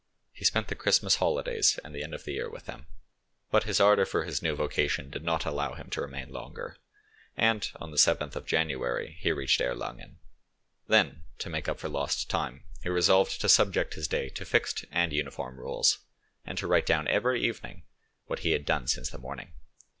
He spent the Christmas holidays and the end of the year with them, but his ardour for his new vacation did not allow him to remain longer, and an the 7th of January he reached Erlangen. Then, to make up for lost time, he resolved to subject his day to fixed and uniform rules, and to write down every evening what he had done since the morning.